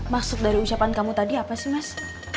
maksud dari ucapan kamu tadi apa sih mas